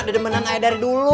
dedenganan saya dari dulu